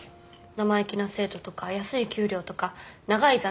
生意気な生徒とか安い給料とか長い残業が嫌になるだけで。